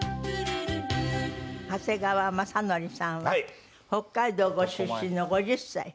長谷川雅紀さんは北海道ご出身の５０歳。